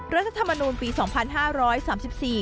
รัฐธรรมนูลปีสองพันห้าร้อยสามสิบสี่